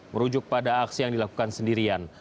merujuk pada aksi yang dilakukan sendirian